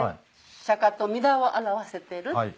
釈迦と阿弥陀を表している。